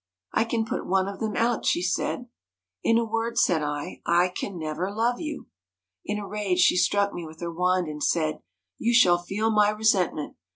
1 " I can put one of them out," she said. '" In a word," said I, " I can never love you." ' In a rage she struck me with her wand, and said :'" You shall feel my resentment.